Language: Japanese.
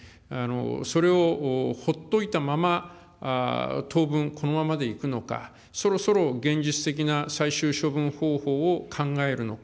それをほっといたまま当分、このままでいくのか、そろそろ現実的な最終処分方法を考えるのか。